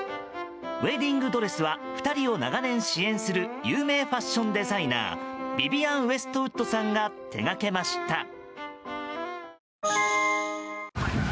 ウェディングドレスは２人を長年支援する有名ファッションデザイナーヴィヴィアン・ウエストウッドさんが手がけました。